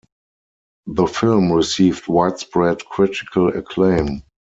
The film received widespread critical acclaim.